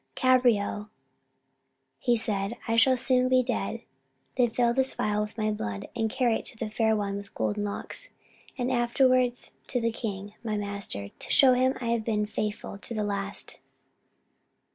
"Cabriole," said he, "I shall soon be dead: then fill this phial with my blood, and carry it to the Fair One with Golden Locks, and afterwards to the king my master, to show him I have been faithful to the last."